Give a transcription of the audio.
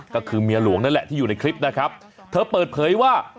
ก็คือเมียหลวงนั่นแหละที่อยู่ในคลิปนะครับเธอเปิดเผยว่า